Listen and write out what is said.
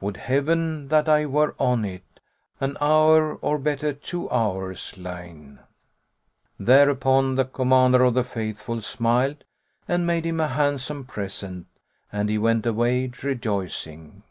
Would Heaven that I were on it, * An hour, or better two hours, li'en."[FN#108] Thereupon the Commander of the Faithful smiled and made him a handsome present and he went away rejoicing.